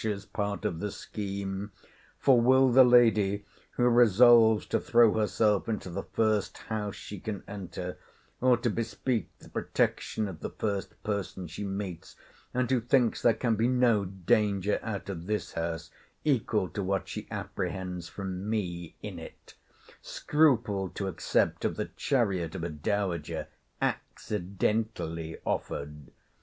's part of the scheme; for will the lady (who resolves to throw herself into the first house she can enter, or to bespeak the protection of the first person she meets, and who thinks there can be no danger out of this house, equal to what she apprehends from me in it) scruple to accept of the chariot of a dowager, accidentally offered?